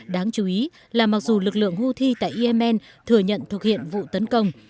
đáng chú ý là mặc dù lực lượng hưu thi tại yemen thừa nhận thực hiện vụ tấn công